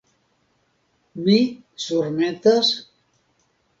Mi surmetas?